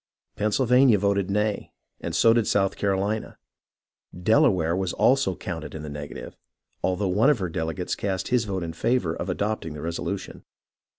Pennsylvania voted nay, and so did South Carolina. Delaware also was counted in the negative, although one of her delegates cast his vote in favour of adopting the resolution.